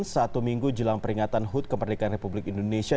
satu minggu jelang peringatan hud kemerdekaan republik indonesia